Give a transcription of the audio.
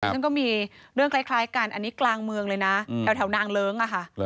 ซึ่งก็มีเรื่องคล้ายกันอันนี้กลางเมืองเลยนะแถวนางเลิ้งอะค่ะ